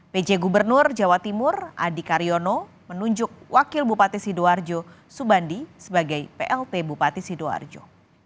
pj gubernur jawa timur adi karyono menunjuk wakil bupati sidoarjo subandi sebagai plt bupati sidoarjo